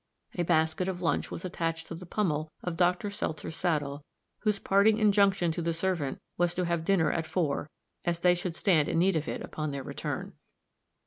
A basket of lunch was attached to the pummel of Dr. Seltzer's saddle, whose parting injunction to the servant was to have dinner at four, as they should stand in need of it upon their return.